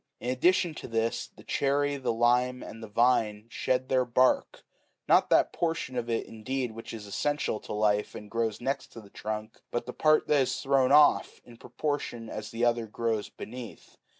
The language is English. In addition to this, the cherry, the lime, and the vine shed their bark ;u not that portion of it, indeed, which is essential to life, and grows next the trunk, but the part that is thrown off, in proportion as the other grows beneath.